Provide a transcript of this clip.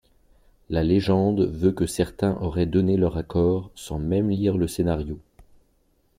La légende veut que certains auraient donné leur accord sans même lire le scénario.